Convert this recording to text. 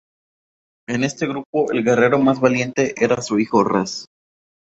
En este grupo el guerrero más valiente era su hijo Ras.